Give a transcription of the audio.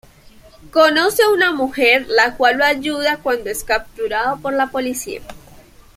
Conoce a una mujer, la cual lo ayuda cuando es capturado por la policía.